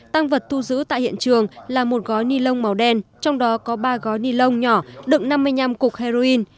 tăng vật thu giữ tại hiện trường là một gói nilon màu đen trong đó có ba gói nilon nhỏ đựng năm mươi năm cục heroin